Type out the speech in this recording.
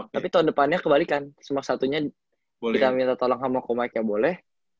tapi tahun depannya kebalikan smax satu nya kita minta tolong sama komaiknya boleh